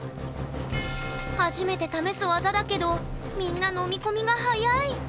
初めて試す技だけどみんな飲み込みが早い！